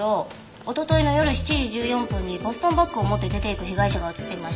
おとといの夜７時１４分にボストンバッグを持って出て行く被害者が映っていました。